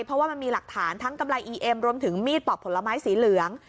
เพราะว่ามันมีหลักฐานทั้งกำไรอีเอ็มรวมถึงมีดปอกผลไม้สีเหลือง